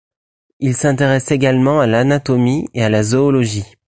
Il s'intéresse également à l'anatomie et à la zoologie.